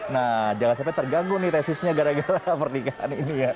nah jangan sampai terganggu nih tesisnya gara gara pernikahan ini ya